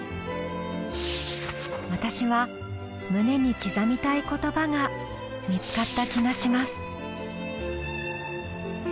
私は胸に刻みたい言葉が見つかった気がします。